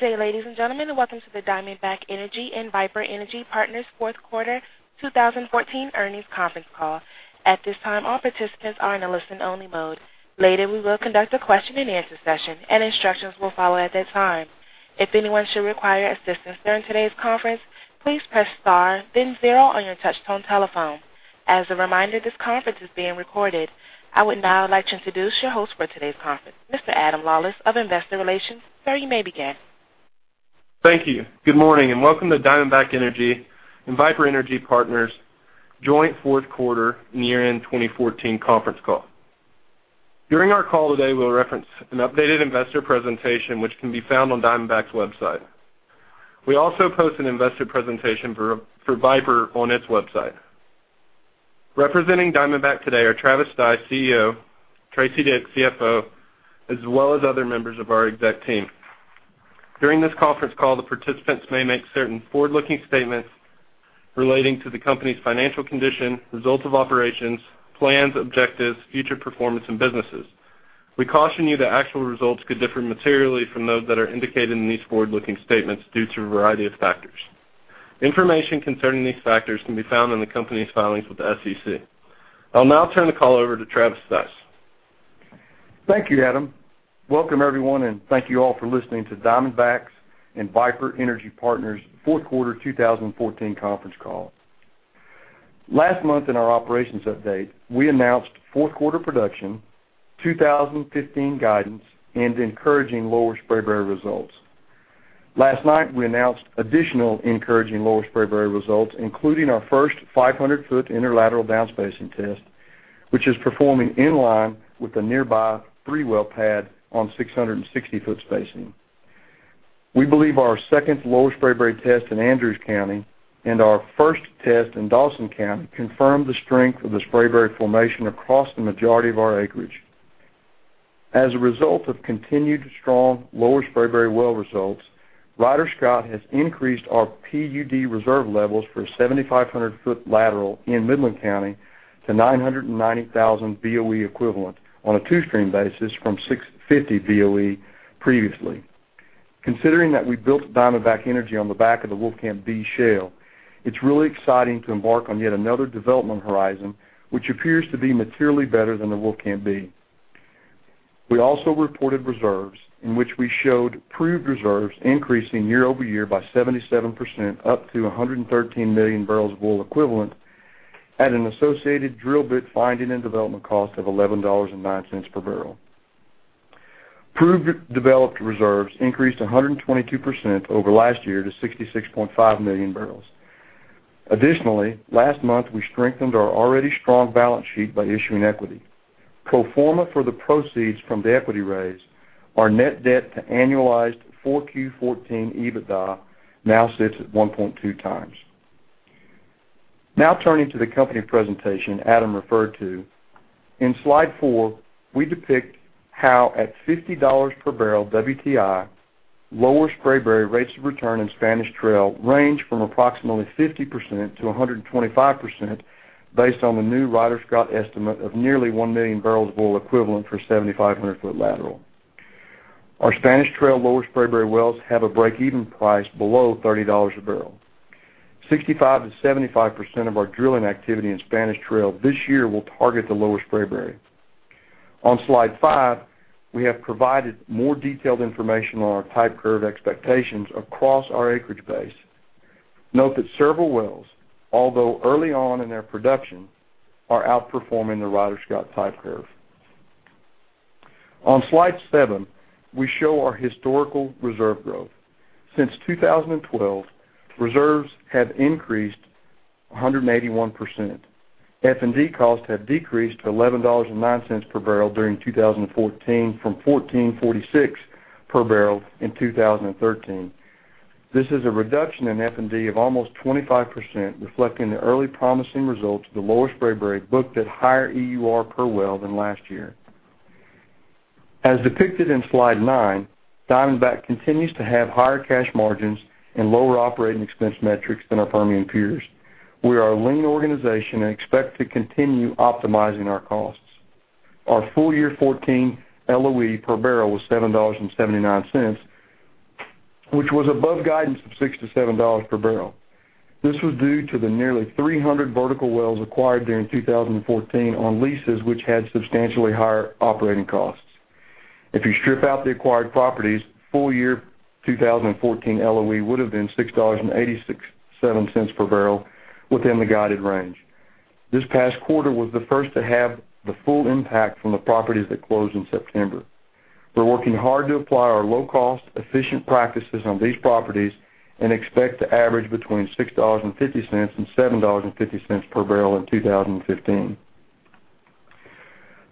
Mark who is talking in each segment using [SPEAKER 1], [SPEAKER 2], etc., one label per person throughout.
[SPEAKER 1] Good day, ladies and gentlemen, and welcome to the Diamondback Energy and Viper Energy Partners fourth quarter 2014 earnings conference call. At this time, all participants are in a listen-only mode. Later, we will conduct a question and answer session, and instructions will follow at that time. If anyone should require assistance during today's conference, please press star then zero on your touch-tone telephone. As a reminder, this conference is being recorded. I would now like to introduce your host for today's conference, Mr. Adam Lawlis of Investor Relations. Sir, you may begin.
[SPEAKER 2] Thank you. Good morning, and welcome to Diamondback Energy and Viper Energy Partners joint fourth quarter year-end 2014 conference call. During our call today, we'll reference an updated investor presentation, which can be found on Diamondback's website. We also post an investor presentation for Viper on its website. Representing Diamondback today are Travis Stice, CEO, Teresa Dick, CFO, as well as other members of our exec team. During this conference call, the participants may make certain forward-looking statements relating to the company's financial condition, results of operations, plans, objectives, future performance, and businesses. We caution you that actual results could differ materially from those that are indicated in these forward-looking statements due to a variety of factors. Information concerning these factors can be found in the company's filings with the SEC. I'll now turn the call over to Travis Stice.
[SPEAKER 3] Thank you, Adam. Welcome everyone, and thank you all for listening to Diamondback's and Viper Energy Partners' fourth quarter 2014 conference call. Last month in our operations update, we announced fourth quarter production, 2015 guidance, and encouraging Lower Spraberry results. Last night, we announced additional encouraging Lower Spraberry results, including our first 500-foot inner lateral down spacing test, which is performing in line with the nearby three-well pad on 660-foot spacing. We believe our second Lower Spraberry test in Andrews County and our first test in Dawson County confirm the strength of the Spraberry formation across the majority of our acreage. As a result of continued strong Lower Spraberry well results, Ryder Scott has increased our PUD reserve levels for 7,500-foot lateral in Midland County to 990,000 BOE equivalent on a two-stream basis from 650 BOE previously. Considering that we built Diamondback Energy on the back of the Wolfcamp B Shale, it's really exciting to embark on yet another development horizon, which appears to be materially better than the Wolfcamp B. We also reported reserves in which we showed proved reserves increasing year-over-year by 77%, up to 113 million barrels of oil equivalent at an associated drill bit finding and development cost of $11.09 per barrel. Proved developed reserves increased 122% over last year to 66.5 million barrels. Additionally, last month, we strengthened our already strong balance sheet by issuing equity. Pro forma for the proceeds from the equity raise, our net debt to annualized 4Q14 EBITDA now sits at 1.2 times. Now turning to the company presentation Adam referred to. In Slide 4, we depict how at $50 per barrel WTI, Lower Spraberry rates of return in Spanish Trail range from approximately 50%-125% based on the new Ryder Scott estimate of nearly 1 million barrels of oil equivalent for 7,500-foot lateral. Our Spanish Trail Lower Spraberry wells have a break-even price below $30 a barrel. 65%-75% of our drilling activity in Spanish Trail this year will target the Lower Spraberry. On Slide 5, we have provided more detailed information on our type curve expectations across our acreage base. Note that several wells, although early on in their production, are outperforming the Ryder Scott type curve. On Slide 7, we show our historical reserve growth. Since 2012, reserves have increased 181%. F&D costs have decreased to $11.09 per barrel during 2014 from $14.46 per barrel in 2013. This is a reduction in F&D of almost 25%, reflecting the early promising results of the Lower Spraberry booked at higher EUR per well than last year. As depicted in Slide 9, Diamondback continues to have higher cash margins and lower operating expense metrics than our Permian peers. We are a lean organization and expect to continue optimizing our costs. Our full year 2014 LOE per barrel was $7.79, which was above guidance of $6-$7 per barrel. This was due to the nearly 300 vertical wells acquired during 2014 on leases, which had substantially higher operating costs. If you strip out the acquired properties, full year 2014 LOE would have been $6.87 per barrel within the guided range. This past quarter was the first to have the full impact from the properties that closed in September. We're working hard to apply our low-cost, efficient practices on these properties and expect to average between $6.50 and $7.50 per barrel in 2015.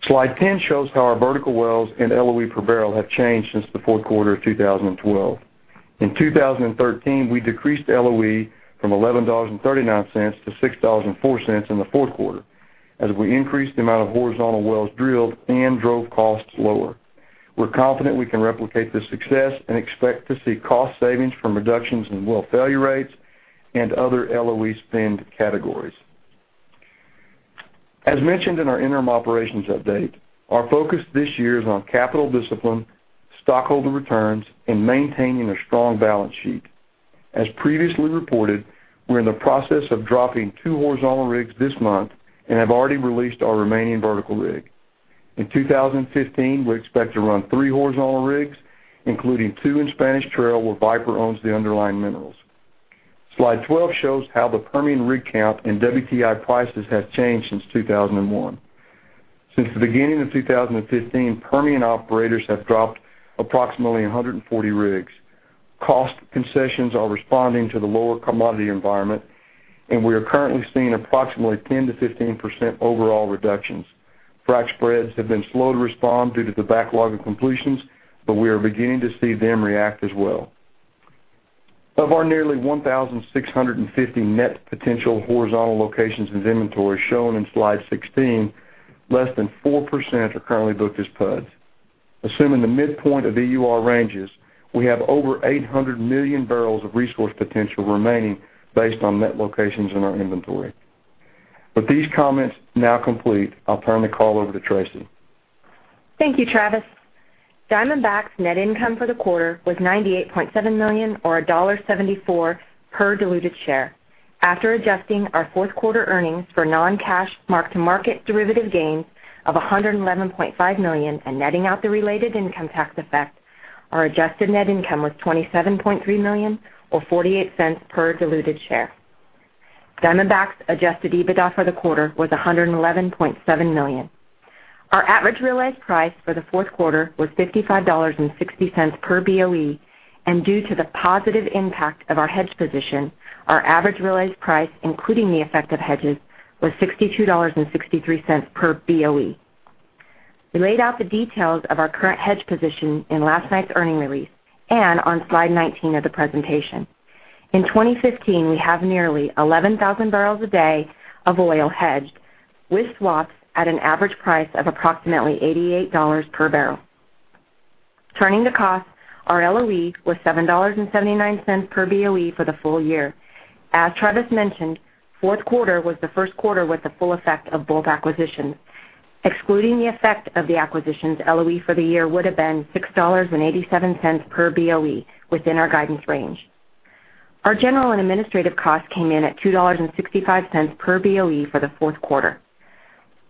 [SPEAKER 3] Slide 10 shows how our vertical wells and LOE per barrel have changed since the fourth quarter of 2012. In 2013, we decreased LOE from $11.39 to $6.04 in the fourth quarter as we increased the amount of horizontal wells drilled and drove costs lower. We're confident we can replicate this success and expect to see cost savings from reductions in well failure rates and other LOE spend categories. As mentioned in our interim operations update, our focus this year is on capital discipline, stockholder returns, and maintaining a strong balance sheet. As previously reported, we're in the process of dropping two horizontal rigs this month and have already released our remaining vertical rig. In 2015, we expect to run three horizontal rigs, including two in Spanish Trail, where Viper owns the underlying minerals. Slide 12 shows how the Permian rig count and WTI prices have changed since 2001. Since the beginning of 2015, Permian operators have dropped approximately 140 rigs. Cost concessions are responding to the lower commodity environment, and we are currently seeing approximately 10%-15% overall reductions. Frac spreads have been slow to respond due to the backlog of completions, but we are beginning to see them react as well. Of our nearly 1,650 net potential horizontal locations in inventory shown in Slide 16, less than 4% are currently booked as PUDs. Assuming the midpoint of EUR ranges, we have over 800 million barrels of resource potential remaining based on net locations in our inventory. With these comments now complete, I'll turn the call over to Teresa.
[SPEAKER 4] Thank you, Travis. Diamondback's net income for the quarter was $98.7 million, or $1.74 per diluted share. After adjusting our fourth quarter earnings for non-cash mark-to-market derivative gains of $111.5 million and netting out the related income tax effect, our adjusted net income was $27.3 million or $0.48 per diluted share. Diamondback's adjusted EBITDA for the quarter was $111.7 million. Our average realized price for the fourth quarter was $55.60 per BOE, and due to the positive impact of our hedged position, our average realized price, including the effect of hedges, was $62.63 per BOE. We laid out the details of our current hedge position in last night's earnings release and on Slide 19 of the presentation. In 2015, we have nearly 11,000 barrels a day of oil hedged, with swaps at an average price of approximately $88 per barrel. Turning to costs, our LOE was $7.79 per BOE for the full year. As Travis mentioned, fourth quarter was the first quarter with the full effect of both acquisitions. Excluding the effect of the acquisitions, LOE for the year would've been $6.87 per BOE, within our guidance range. Our general and administrative costs came in at $2.65 per BOE for the fourth quarter.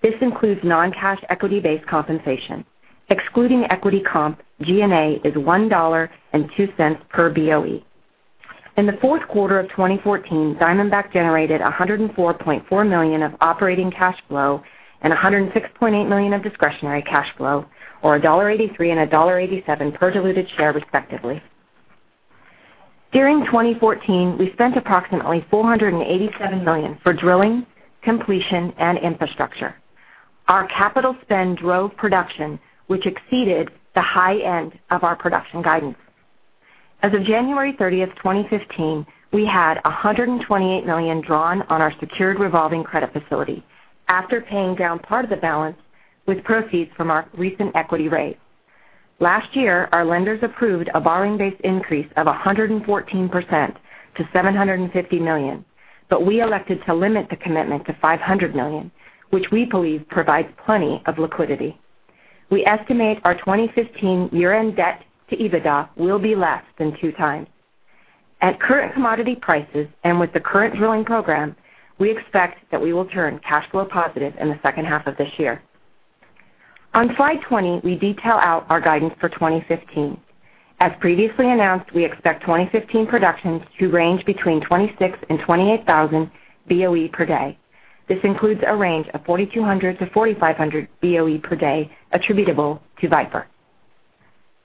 [SPEAKER 4] This includes non-cash equity-based compensation. Excluding equity comp, G&A is $1.02 per BOE. In the fourth quarter of 2014, Diamondback generated $104.4 million of operating cash flow and $106.8 million of discretionary cash flow, or $1.83 and $1.87 per diluted share, respectively. During 2014, we spent approximately $487 million for drilling, completion, and infrastructure. Our capital spend drove production, which exceeded the high end of our production guidance. As of January 30th, 2015, we had $128 million drawn on our secured revolving credit facility after paying down part of the balance with proceeds from our recent equity raise. Last year, our lenders approved a borrowing base increase of 114% to $750 million, we elected to limit the commitment to $500 million, which we believe provides plenty of liquidity. We estimate our 2015 year-end debt to EBITDA will be less than two times. At current commodity prices and with the current drilling program, we expect that we will turn cash flow positive in the second half of this year. On Slide 20, we detail out our guidance for 2015. As previously announced, we expect 2015 production to range between 26,000 and 28,000 BOE per day. This includes a range of 4,200 to 4,500 BOE per day attributable to Viper.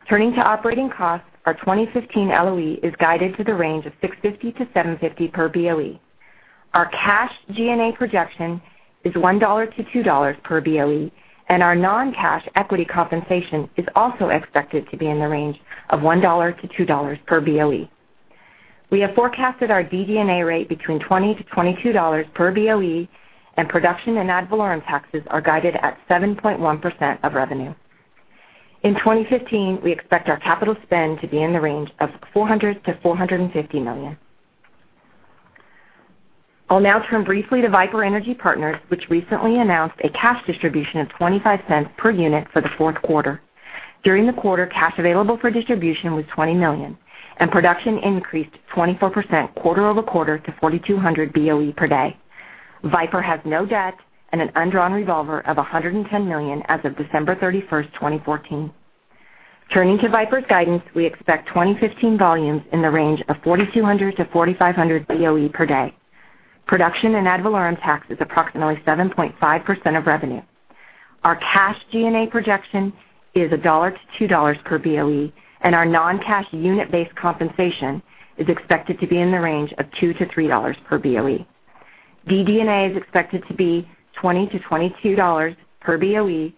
[SPEAKER 4] Turning to operating costs, our 2015 LOE is guided to the range of $6.50 to $7.50 per BOE. Our cash G&A projection is $1 to $2 per BOE, our non-cash equity compensation is also expected to be in the range of $1 to $2 per BOE. We have forecasted our DD&A rate between $20 to $22 per BOE, and production and ad valorem taxes are guided at 7.1% of revenue. In 2015, we expect our capital spend to be in the range of $400 million to $450 million. I'll now turn briefly to Viper Energy Partners, which recently announced a cash distribution of $0.25 per unit for the fourth quarter. During the quarter, cash available for distribution was $20 million, production increased 24% quarter-over-quarter to 4,200 BOE per day. Viper has no debt and an undrawn revolver of $110 million as of December 31st, 2014. Turning to Viper's guidance, we expect 2015 volumes in the range of 4,200-4,500 Boe per day. Production and ad valorem tax is approximately 7.5% of revenue. Our cash G&A projection is $1-$2 per Boe, and our non-cash unit-based compensation is expected to be in the range of $2-$3 per Boe. DD&A is expected to be $20-$22 per Boe,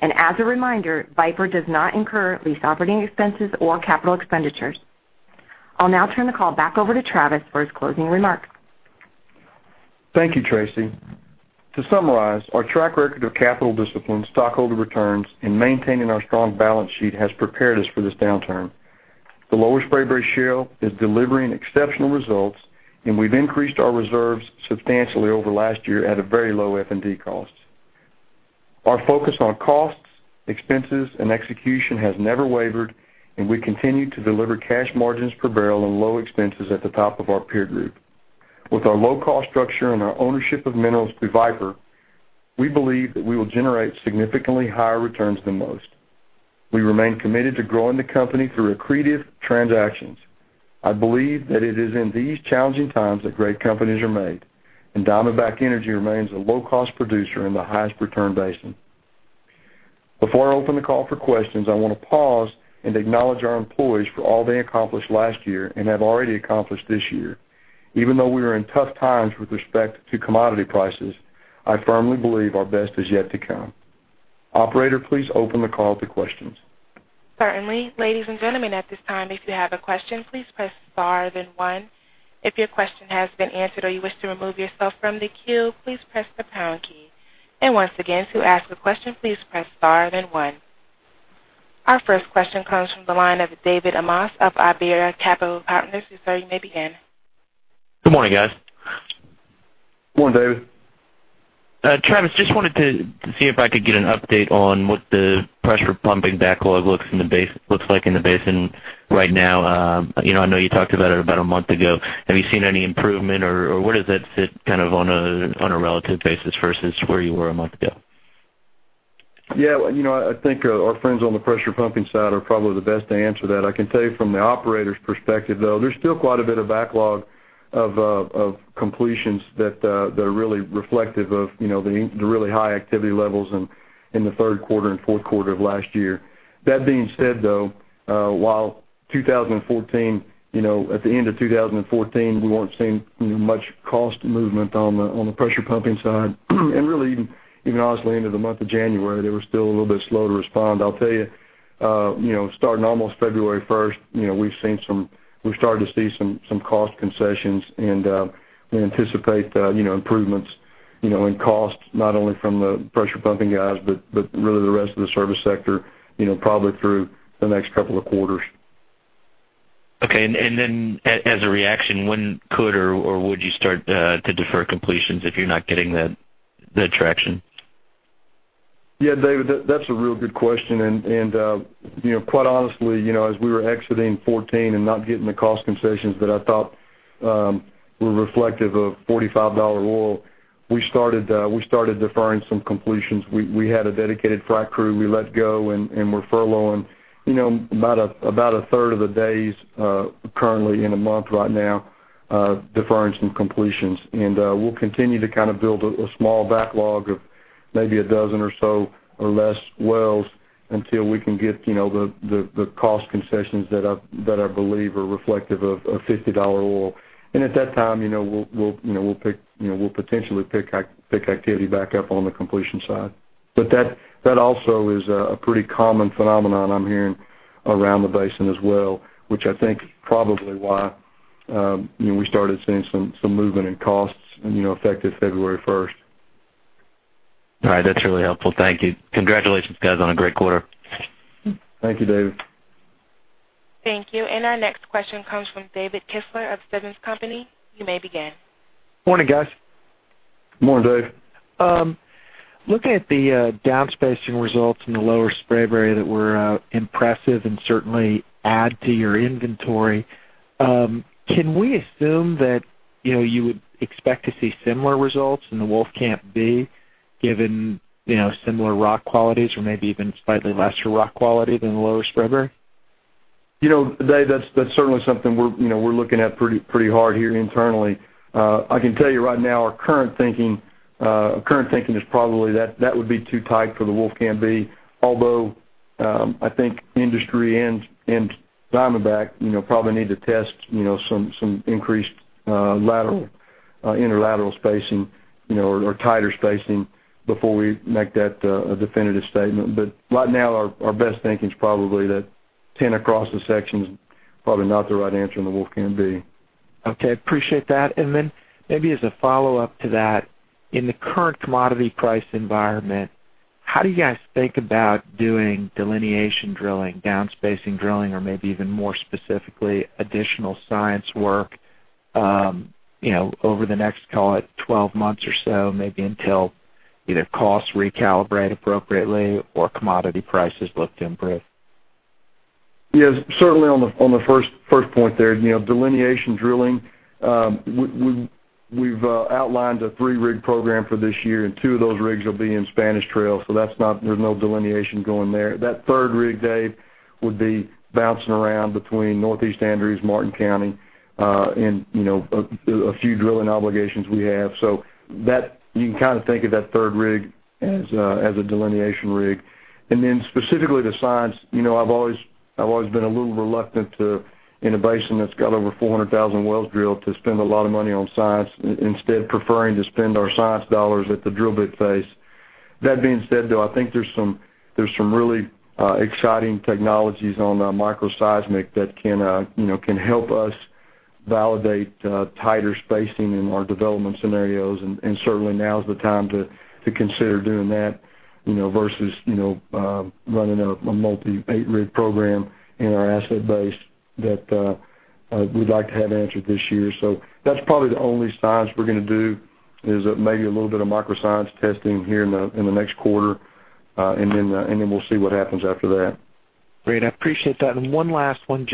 [SPEAKER 4] and as a reminder, Viper does not incur lease operating expenses or capital expenditures. I'll now turn the call back over to Travis for his closing remarks.
[SPEAKER 3] Thank you, Teresa. To summarize, our track record of capital discipline, stockholder returns, and maintaining our strong balance sheet has prepared us for this downturn. The Lower Spraberry shale is delivering exceptional results. We've increased our reserves substantially over last year at a very low F&D cost. Our focus on costs, expenses, and execution has never wavered. We continue to deliver cash margins per barrel and low expenses at the top of our peer group. With our low cost structure and our ownership of minerals through Viper, we believe that we will generate significantly higher returns than most. We remain committed to growing the company through accretive transactions. I believe that it is in these challenging times that great companies are made. Diamondback Energy remains a low-cost producer in the highest return basin. Before I open the call for questions, I want to pause and acknowledge our employees for all they accomplished last year and have already accomplished this year. Even though we are in tough times with respect to commodity prices, I firmly believe our best is yet to come. Operator, please open the call to questions.
[SPEAKER 1] Certainly. Ladies and gentlemen, at this time, if you have a question, please press star then one. If your question has been answered or you wish to remove yourself from the queue, please press the pound key. Once again, to ask a question, please press star then one. Our first question comes from the line of David Amoss of Iberia Capital Partners. Sir, you may begin.
[SPEAKER 5] Good morning, guys.
[SPEAKER 3] Good morning, David.
[SPEAKER 5] Travis, just wanted to see if I could get an update on what the pressure pumping backlog looks like in the basin right now. I know you talked about it about a month ago. Have you seen any improvement, or where does that sit on a relative basis versus where you were a month ago?
[SPEAKER 3] Yeah. I think our friends on the pressure pumping side are probably the best to answer that. I can tell you from the operator's perspective, though, there's still quite a bit of backlog of completions that are really reflective of the really high activity levels in the third quarter and fourth quarter of last year. That being said, though, while at the end of 2014, we weren't seeing much cost movement on the pressure pumping side, and really even honestly into the month of January, they were still a little bit slow to respond. I'll tell you, starting almost February 1st, we're starting to see some cost concessions, and we anticipate improvements in cost not only from the pressure pumping guys, but really the rest of the service sector, probably through the next couple of quarters.
[SPEAKER 5] Okay. As a reaction, when could or would you start to defer completions if you're not getting the traction?
[SPEAKER 3] Yeah, David, that's a real good question. Quite honestly, as we were exiting 2014 and not getting the cost concessions that I thought were reflective of $45 oil, we started deferring some completions. We had a dedicated frac crew we let go, and we're furloughing about a third of the days currently in a month right now deferring some completions. We'll continue to build a small backlog of maybe a dozen or so or less wells until we can get the cost concessions that I believe are reflective of $50 oil. At that time, we'll potentially pick activity back up on the completion side. That also is a pretty common phenomenon I'm hearing around the basin as well, which I think is probably why we started seeing some movement in costs effective February 1st.
[SPEAKER 5] All right. That's really helpful. Thank you. Congratulations, guys, on a great quarter.
[SPEAKER 3] Thank you, David.
[SPEAKER 1] Thank you. Our next question comes from David Kistler of Simmons Company. You may begin.
[SPEAKER 6] Morning, guys.
[SPEAKER 3] Morning, Dave.
[SPEAKER 6] Looking at the down spacing results in the Lower Spraberry that were impressive and certainly add to your inventory, can we assume that you would expect to see similar results in the Wolfcamp B given similar rock qualities or maybe even slightly lesser rock quality than the Lower Spraberry?
[SPEAKER 3] Dave, that's certainly something we're looking at pretty hard here internally. I can tell you right now, our current thinking is probably that would be too tight for the Wolfcamp B, although I think the industry and Diamondback probably need to test some increased interlateral spacing or tighter spacing before we make that a definitive statement. Right now, our best thinking is probably that 10 across the section is probably not the right answer in the Wolfcamp B.
[SPEAKER 6] Okay. Appreciate that. Then maybe as a follow-up to that, in the current commodity price environment, how do you guys think about doing delineation drilling, down spacing drilling, or maybe even more specifically, additional science work over the next, call it, 12 months or so, maybe until either costs recalibrate appropriately or commodity prices look to improve?
[SPEAKER 3] Yes. Certainly on the first point there, delineation drilling, we've outlined a three-rig program for this year, and two of those rigs will be in Spanish Trail, so there's no delineation going there. That third rig, Dave, would be bouncing around between Northeast Andrews, Martin County, and a few drilling obligations we have. You can think of that third rig as a delineation rig. Then specifically the science, I've always been a little reluctant to, in a basin that's got over 400,000 wells drilled, to spend a lot of money on science, instead preferring to spend our science dollars at the drill bit phase. That being said, though, I think there's some really exciting technologies on micro seismic that can help us validate tighter spacing in our development scenarios, and certainly now is the time to consider doing that, versus running a multi eight-rig program in our asset base that we'd like to have answered this year. That's probably the only science we're going to do, is maybe a little bit of micro seismic testing here in the next quarter, then we'll see what happens after that.
[SPEAKER 6] Great. I appreciate that. One last one.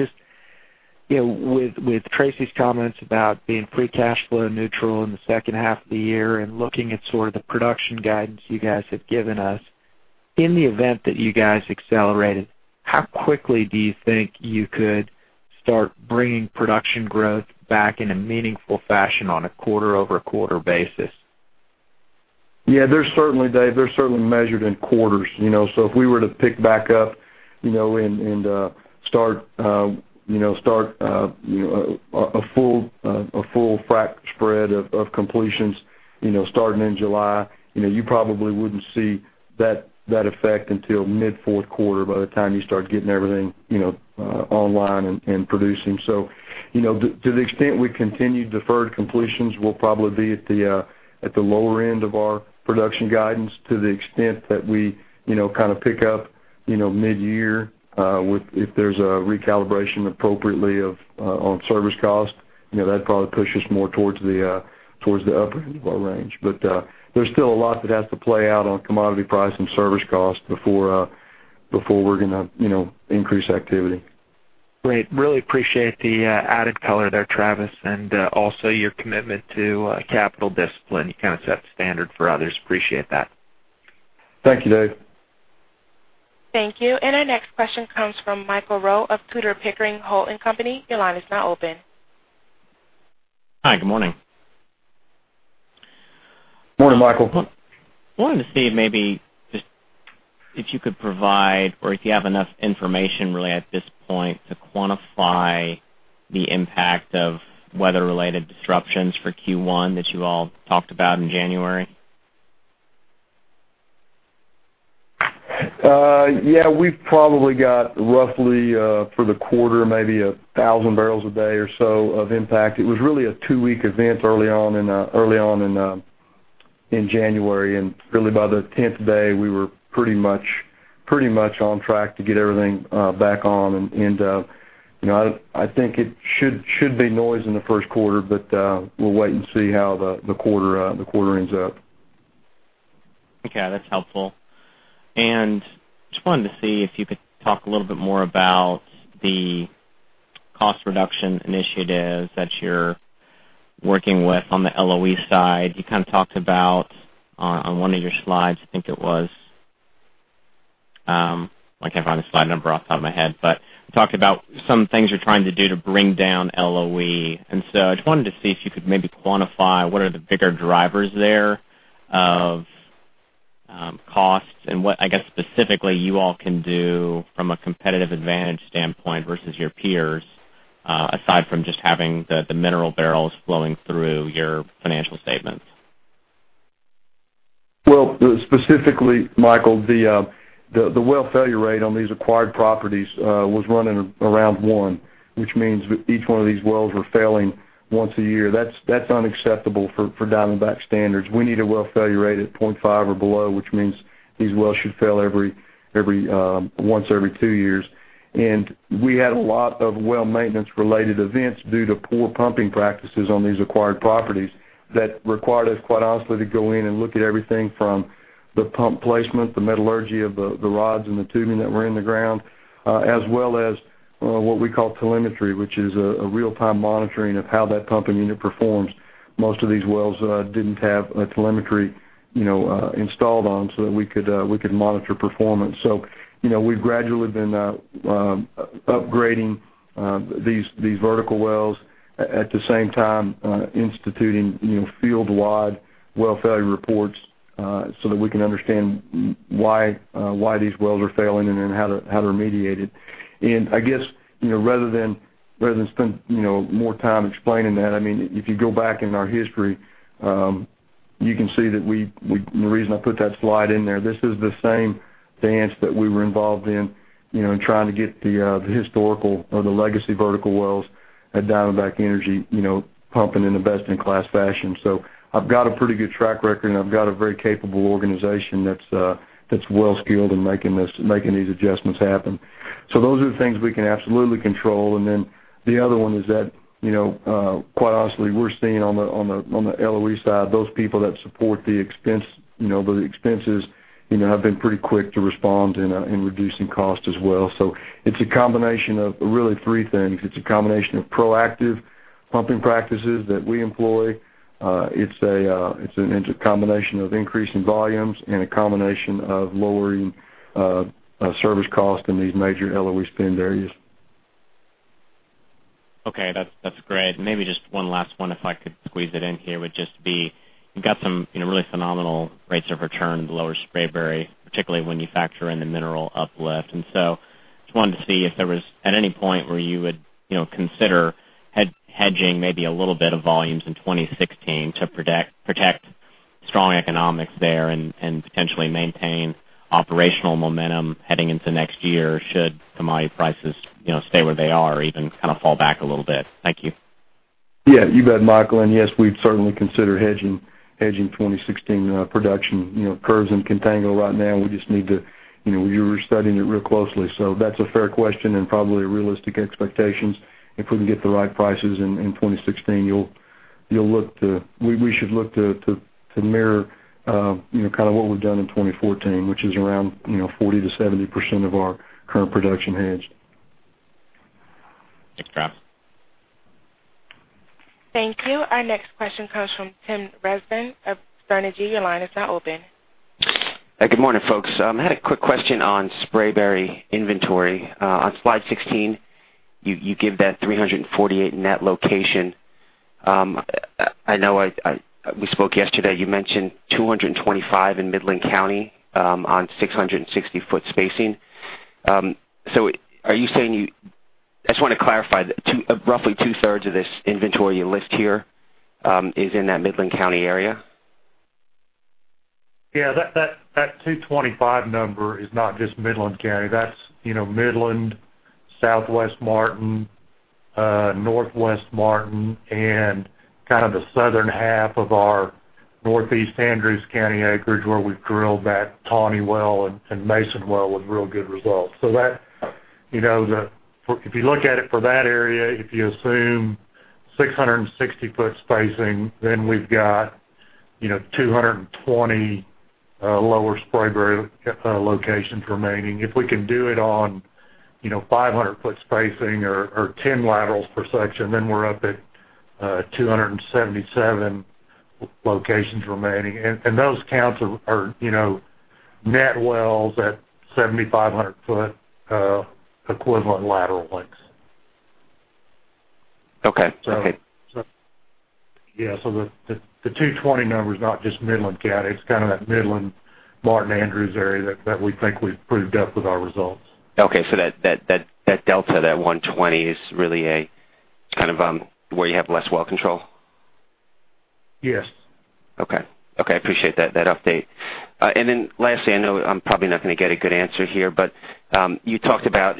[SPEAKER 6] Just with Teresa's comments about being free cash flow neutral in the second half of the year and looking at the production guidance you guys have given us, in the event that you guys accelerated, how quickly do you think you could start bringing production growth back in a meaningful fashion on a quarter-over-quarter basis?
[SPEAKER 3] Yeah, Dave, they're certainly measured in quarters. If we were to pick back up and start a full frac spread of completions starting in July, you probably wouldn't see that effect until mid fourth quarter by the time you start getting everything online and producing. To the extent we continue deferred completions, we'll probably be at the lower end of our production guidance to the extent that we pick up mid-year, if there's a recalibration appropriately on service cost, that'd probably push us more towards the upper end of our range. There's still a lot that has to play out on commodity price and service cost before we're going to increase activity.
[SPEAKER 6] Great. Really appreciate the added color there, Travis, also your commitment to capital discipline. You set the standard for others. Appreciate that.
[SPEAKER 3] Thank you, Dave.
[SPEAKER 1] Thank you. Our next question comes from Michael Rowe of Tudor, Pickering, Holt & Co.. Your line is now open.
[SPEAKER 7] Hi, good morning.
[SPEAKER 3] Morning, Michael.
[SPEAKER 7] I wanted to see if maybe, just if you could provide or if you have enough information really at this point to quantify the impact of weather-related disruptions for Q1 that you all talked about in January.
[SPEAKER 3] We've probably got roughly, for the quarter, maybe 1,000 barrels a day or so of impact. It was really a two-week event early on in January, really by the 10th day, we were pretty much on track to get everything back on. I think it should be noise in the first quarter, we'll wait and see how the quarter ends up.
[SPEAKER 7] Okay. That's helpful. Just wanted to see if you could talk a little bit more about the cost reduction initiatives that you're working with on the LOE side. You talked about on one of your slides, I can't find the slide number off the top of my head, you talked about some things you're trying to do to bring down LOE. I just wanted to see if you could maybe quantify what are the bigger drivers there of costs and what, I guess, specifically you all can do from a competitive advantage standpoint versus your peers, aside from just having the mineral barrels flowing through your financial statements.
[SPEAKER 3] Well, specifically, Michael, the well failure rate on these acquired properties was running around one, which means each one of these wells were failing once a year. That's unacceptable for Diamondback standards. We need a well failure rate at 0.5 or below, which means these wells should fail once every two years. We had a lot of well maintenance related events due to poor pumping practices on these acquired properties that required us, quite honestly, to go in and look at everything from the pump placement, the metallurgy of the rods and the tubing that were in the ground, as well as what we call telemetry, which is a real time monitoring of how that pumping unit performs. Most of these wells didn't have telemetry installed on so that we could monitor performance. We've gradually been upgrading these vertical wells, at the same time, instituting field wide well failure reports, so that we can understand why these wells are failing and then how to remediate it. I guess, rather than spend more time explaining that, if you go back in our history, you can see that the reason I put that slide in there, this is the same dance that we were involved in trying to get the historical or the legacy vertical wells at Diamondback Energy pumping in a best-in-class fashion. I've got a pretty good track record, I've got a very capable organization that's well skilled in making these adjustments happen. Those are the things we can absolutely control. The other one is that, quite honestly, we're seeing on the LOE side, those people that support the expenses have been pretty quick to respond in reducing cost as well. It's a combination of really three things. It's a combination of proactive pumping practices that we employ. It's a combination of increasing volumes and a combination of lowering service cost in these major LOE spend areas.
[SPEAKER 7] Okay. That's great. Maybe just one last one, if I could squeeze it in here, would just be, you've got some really phenomenal rates of return in the Lower Spraberry, particularly when you factor in the mineral uplift. Just wanted to see if there was at any point where you would consider hedging maybe a little bit of volumes in 2016 to protect strong economics there and potentially maintain operational momentum heading into next year should commodity prices stay where they are or even fall back a little bit. Thank you.
[SPEAKER 8] Yeah, you bet, Michael. Yes, we'd certainly consider hedging 2016 production. Curves in contango right now, we're studying it real closely. That's a fair question and probably realistic expectations. If we can get the right prices in 2016, we should look to mirror what we've done in 2014, which is around 40%-70% of our current production hedged.
[SPEAKER 7] Thanks, Kaes.
[SPEAKER 1] Thank you. Our next question comes from Tim Rzeznik of Sterne Agee. Your line is now open.
[SPEAKER 9] Good morning, folks. I had a quick question on Spraberry inventory. On slide 16, you give that 348 net location. I know we spoke yesterday. You mentioned 225 in Midland County on 660-foot spacing. I just want to clarify, roughly two-thirds of this inventory you list here is in that Midland County area?
[SPEAKER 8] Yeah, that 225 number is not just Midland County. That's Midland, Southwest Martin, Northwest Martin, and the southern half of our Northeast Andrews County acreage, where we've drilled that Tawney well and Mason well with real good results. If you look at it for that area, if you assume 660-foot spacing, then we've got 220 Lower Spraberry locations remaining. If we can do it on 500-foot spacing or 10 laterals per section, then we're up at 277 locations remaining. Those counts are net wells at 7,500-foot equivalent lateral lengths.
[SPEAKER 9] Okay.
[SPEAKER 8] Yeah. The 220 number is not just Midland County. It's that Midland, Martin, Andrews area that we think we've proved up with our results.
[SPEAKER 9] Okay. That delta, that 120, is really where you have less well control?
[SPEAKER 8] Yes.
[SPEAKER 9] Okay. I appreciate that update. Lastly, I know I'm probably not going to get a good answer here, but you talked about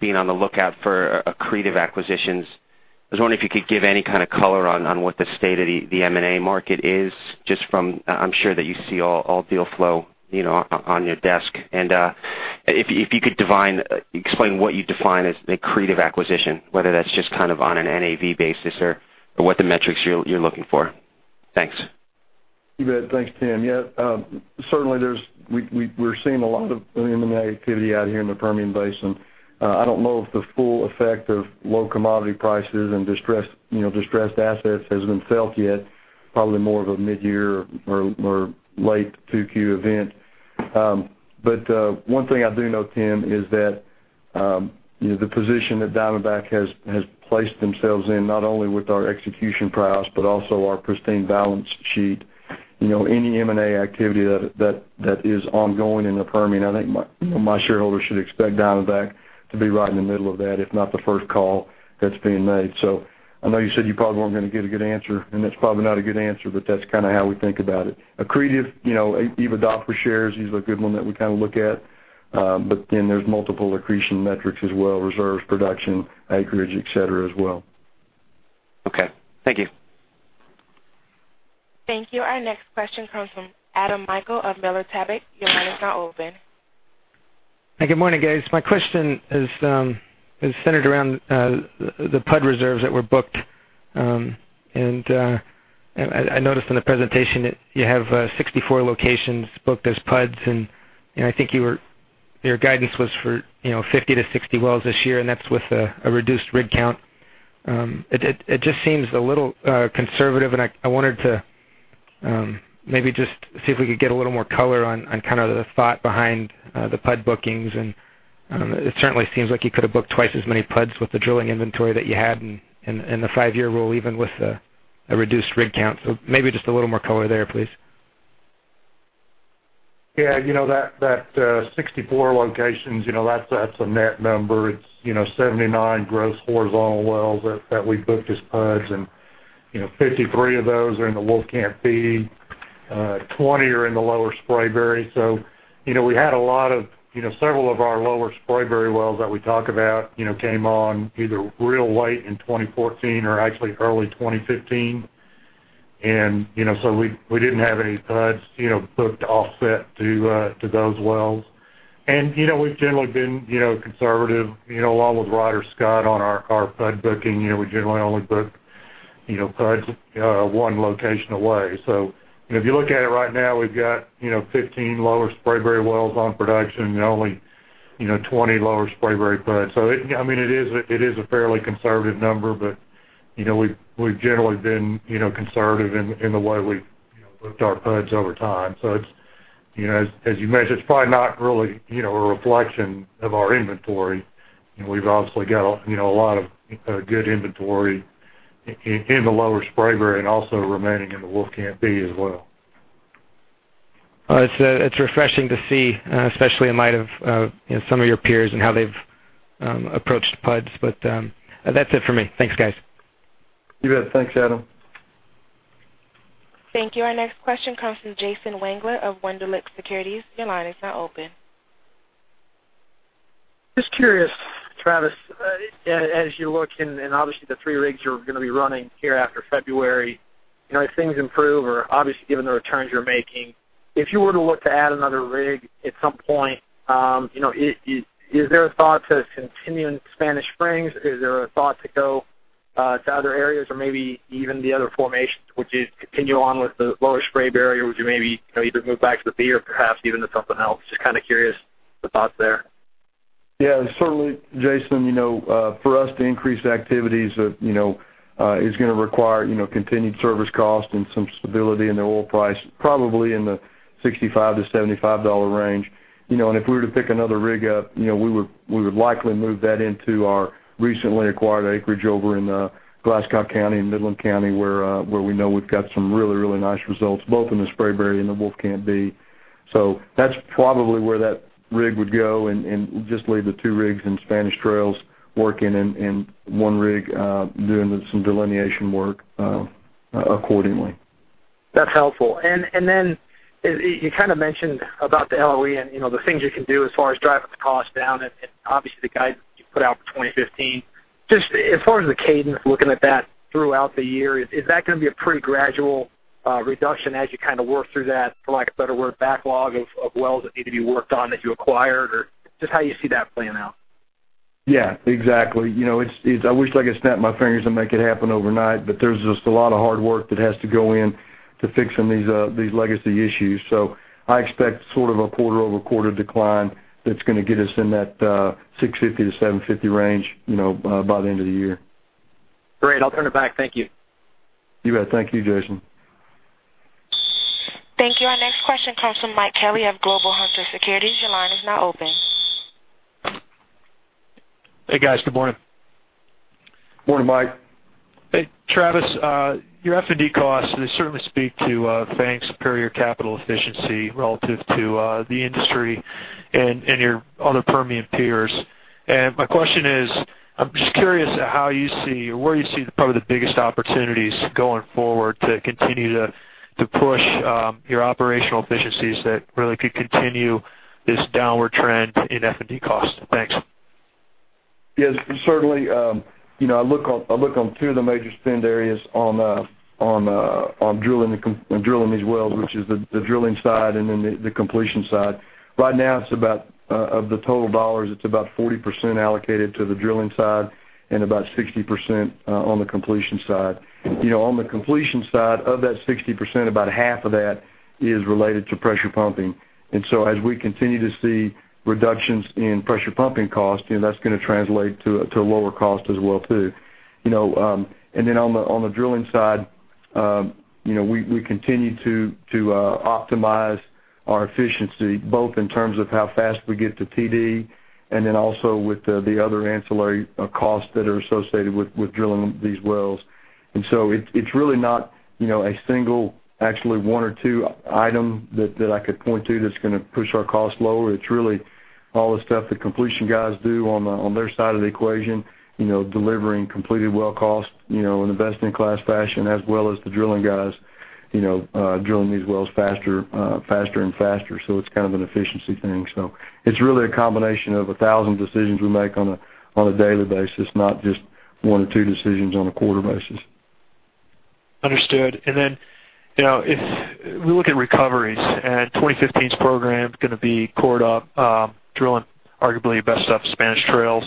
[SPEAKER 9] being on the lookout for accretive acquisitions. I was wondering if you could give any color on what the state of the M&A market is, just from, I'm sure that you see all deal flow on your desk. If you could explain what you define as an accretive acquisition, whether that's just on an NAV basis or what the metrics you're looking for. Thanks.
[SPEAKER 8] You bet. Thanks, Tim. Certainly, we're seeing a lot of M&A activity out here in the Permian Basin. I don't know if the full effect of low commodity prices and distressed assets has been felt yet. Probably more of a mid-year or late 2Q event. One thing I do know, Tim, is that the position that Diamondback has placed themselves in, not only with our execution prowess, but also our pristine balance sheet, any M&A activity that is ongoing in the Permian, I think my shareholders should expect Diamondback to be right in the middle of that, if not the first call that's being made. I know you said you probably weren't going to get a good answer, and that's probably not a good answer, but that's how we think about it. Accretive, EV to EBITDA shares is a good one that we look at. There's multiple accretion metrics as well, reserves, production, acreage, et cetera as well.
[SPEAKER 9] Okay. Thank you.
[SPEAKER 1] Thank you. Our next question comes from Adam Michael of Miller Tabak. Your line is now open.
[SPEAKER 10] Good morning, guys. My question is centered around the PUD reserves that were booked. I noticed in the presentation that you have 64 locations booked as PUDs, and I think your guidance was for 50 to 60 wells this year, and that's with a reduced rig count. It just seems a little conservative, and I wanted to maybe just see if we could get a little more color on the thought behind the PUD bookings. It certainly seems like you could have booked twice as many PUDs with the drilling inventory that you had and the five-year rule, even with a reduced rig count. Maybe just a little more color there, please.
[SPEAKER 8] Yeah. That 64 locations, that's a net number. It's 79 gross horizontal wells that we booked as PUDs, and 53 of those are in the Wolfcamp B. 20 are in the Lower Spraberry. Several of our Lower Spraberry wells that we talk about came on either real late in 2014 or actually early 2015. We didn't have any PUDs booked offset to those wells. We've generally been conservative, along with Ryder Scott on our PUD booking. We generally only book PUDs one location away. If you look at it right now, we've got 15 Lower Spraberry wells on production and only 20 Lower Spraberry PUDs. It is a fairly conservative number, but we've generally been conservative in the way we've booked our PUDs over time. As you mentioned, it's probably not really a reflection of our inventory. We've obviously got a lot of good inventory in the Lower Spraberry and also remaining in the Wolfcamp B as well.
[SPEAKER 10] Well, it's refreshing to see, especially in light of some of your peers and how they've approached PUDs. That's it for me. Thanks, guys.
[SPEAKER 3] You bet. Thanks, Adam.
[SPEAKER 1] Thank you. Our next question comes from Jason Wangler of Wunderlich Securities. Your line is now open.
[SPEAKER 11] Just curious, Travis, as you look and obviously the three rigs you're going to be running here after February, if things improve or obviously given the returns you're making, if you were to look to add another rig at some point, is there a thought to continuing Spanish Trail? Is there a thought to go to other areas or maybe even the other formations? Would you continue on with the Lower Spraberry, or would you maybe either move back to the Permian, perhaps even to something else? Just curious the thoughts there.
[SPEAKER 3] Yeah. Certainly, Jason, for us to increase activities is going to require continued service cost and some stability in the oil price, probably in the $65-$75 range. If we were to pick another rig up, we would likely move that into our recently acquired acreage over in Glasscock County and Midland County, where we know we've got some really, really nice results, both in the Spraberry and the Wolfcamp B. That's probably where that rig would go and just leave the two rigs in Spanish Trail working and one rig doing some delineation work accordingly.
[SPEAKER 11] That's helpful. Then you mentioned about the LOE and the things you can do as far as driving the cost down and obviously the guidance you put out for 2015. Just as far as the cadence, looking at that throughout the year, is that going to be a pretty gradual reduction as you work through that, for lack of a better word, backlog of wells that need to be worked on that you acquired? Or just how you see that playing out.
[SPEAKER 3] Yeah, exactly. I wish I could snap my fingers and make it happen overnight, but there's just a lot of hard work that has to go in to fixing these legacy issues. I expect sort of a quarter-over-quarter decline that's going to get us in that $650-$750 range by the end of the year.
[SPEAKER 11] Great. I'll turn it back. Thank you.
[SPEAKER 3] You bet. Thank you, Jason.
[SPEAKER 1] Thank you. Our next question comes from Mike Kelly of Global Hunter Securities. Your line is now open.
[SPEAKER 12] Hey, guys. Good morning.
[SPEAKER 3] Morning, Mike.
[SPEAKER 12] Hey, Travis, your F&D costs, they certainly speak to FANG's superior capital efficiency relative to the industry and your other Permian peers. My question is, I'm just curious at how you see or where you see probably the biggest opportunities going forward to continue to push your operational efficiencies that really could continue this downward trend in F&D costs. Thanks.
[SPEAKER 3] Yes, certainly. I look on two of the major spend areas on drilling these wells, which is the drilling side and then the completion side. Right now, of the total dollars, it's about 40% allocated to the drilling side and about 60% on the completion side. On the completion side, of that 60%, about half of that is related to pressure pumping. As we continue to see reductions in pressure pumping cost, that's going to translate to a lower cost as well, too. On the drilling side, we continue to optimize our efficiency, both in terms of how fast we get to TD and then also with the other ancillary costs that are associated with drilling these wells. It's really not a single, actually one or two item that I could point to that's going to push our costs lower. It's really all the stuff the completion guys do on their side of the equation, delivering completed well cost in a best-in-class fashion, as well as the drilling guys drilling these wells faster and faster. It's an efficiency thing. It's really a combination of 1,000 decisions we make on a daily basis, not just one or two decisions on a quarter basis.
[SPEAKER 12] Understood. If we look at recoveries and 2015's program going to be caught up drilling arguably your best stuff, Spanish Trail,